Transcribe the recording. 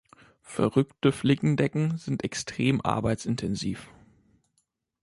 Verrückte Flickendecken sind extrem arbeitsintensiv.